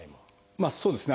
まあそうですね。